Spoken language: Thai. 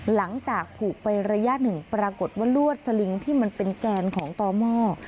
หลังจากผูกไประยะหนึ่งปรากฏว่าลวดสลิงที่มันเป็นแกนของต่อหม้อ